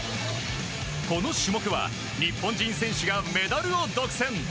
この種目は日本人選手がメダルを独占。